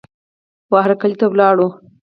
وهرکلې ته ولاړ